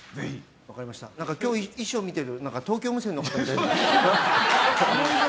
今日、衣装見てると東京無線の方みたいで。